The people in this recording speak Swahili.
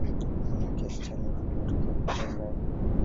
Maana kiasi cha nuru inatokea kote angani.